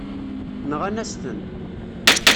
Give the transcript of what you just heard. Nɣan-as-ten.